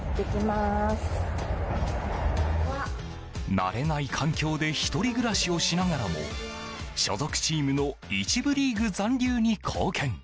慣れない環境で１人暮らしをしながらも所属チームの１部リーグ残留に貢献。